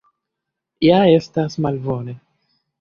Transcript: Ja estas malbone!